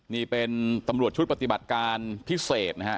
นี่เป็นตำรวจชุดปฏิบัติการพิเศษนะฮะ